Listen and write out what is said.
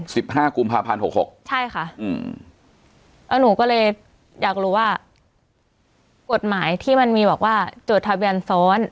สิบห้ากุมภาพันธ์หกหกใช่ค่ะอืมแล้วหนูก็เลยอยากรู้ว่ากฎหมายที่มันมีบอกว่าจดทะเบียนซ้อน